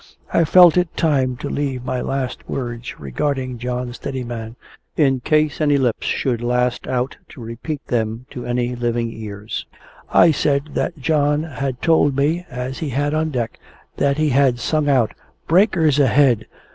I felt it time to leave my last words regarding John Steadiman, in case any lips should last out to repeat them to any living ears. I said that John had told me (as he had on deck) that he had sung out "Breakers ahead!"